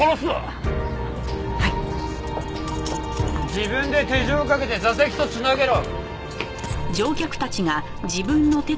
自分で手錠をかけて座席と繋げろ。